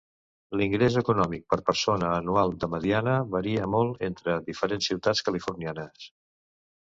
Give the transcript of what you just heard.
L'ingrés econòmic per persona anual de mediana varia molt entre diferents ciutats californianes.